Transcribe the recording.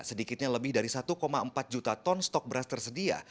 sedikitnya lebih dari satu empat juta ton stok beras tersedia